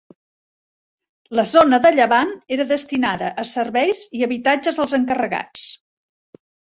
La zona de llevant era destinada a serveis i habitatges dels encarregats.